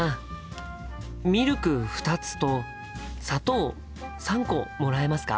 ミルク２つと砂糖３個もらえますか？